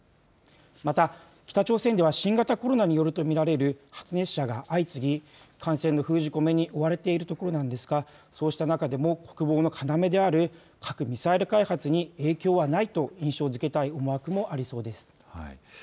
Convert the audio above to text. また北朝鮮では新型コロナによると見られる発熱者が相次ぎ感染の封じ込めに追われているところなんですが、そうした中でも国防の要である核・ミサイル開発に影響はないと印象づけたい思惑もありそうです。